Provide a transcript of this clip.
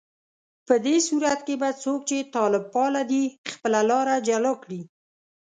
په دې صورت کې به څوک چې طالب پاله دي، خپله لاره جلا کړي